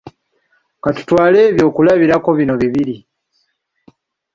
Ka tutwale eby'okulabirako bino bibiri.